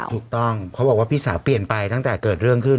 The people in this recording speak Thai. ถูกต้องเขาบอกว่าพี่สาวเปลี่ยนไปตั้งแต่เกิดเรื่องขึ้น